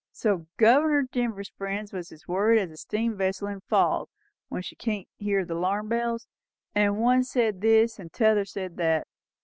So Governor Denver's friends was as worried as a steam vessel in a fog, when she can't hear the 'larm bells; and one said this and t'other said that.